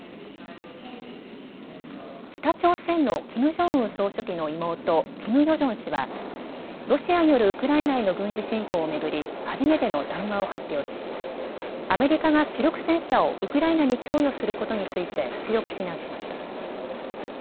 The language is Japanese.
北朝鮮のキム・ジョンウン総書記の妹、キム・ヨジョン氏はロシアによるウクライナへの軍事侵攻を巡り初めての談話を発表しアメリカが主力戦車をウクライナに供与することについて強く非難しました。